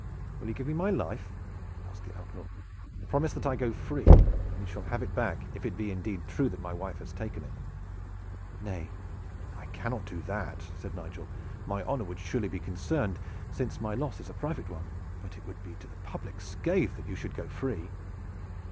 "Will you give me my life?" asked the outlaw. "Promise that I go free, and you shall have it back, if it be indeed true that my wife has taken it." "Nay, I cannot do that," said Nigel. "My honor would surely be concerned, since my loss is a private one; but it would be to the public scathe that you should go free.